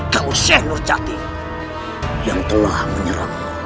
kalau syekh nurjati yang telah menyerangmu